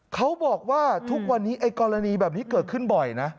เขาบอกว่าทุกวันนี้ไอ้กรณีแบบนี้เกิดขึ้นบ่อยนะ